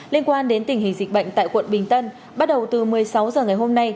liên quan đến tình hình dịch bệnh tại quận bình tân bắt đầu từ một mươi sáu h ngày hôm nay